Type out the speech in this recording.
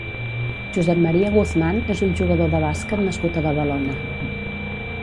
Josep Maria Guzmán és un jugador de bàsquet nascut a Badalona.